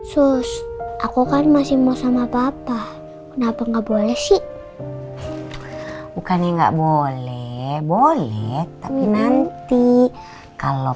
hai aku kan masih mau sama papa kenapa nggak boleh sih bukannya nggak boleh boleh tapi nanti kalau